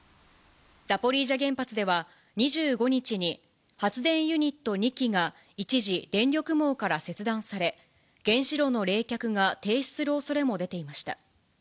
ザポリージャ原発では２５日に発電ユニット２基が、一時、電力網から切断され、原子炉の冷却が停止するおそれも出ていました。